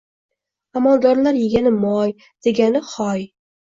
Аmaldorlar yegani moy, degani: «Hoy!!!»